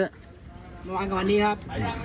เมื่อวานกับวันนี้ครับ